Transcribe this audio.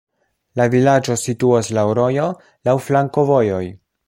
La vilaĝo situas laŭ rojo, laŭ flankovojoj.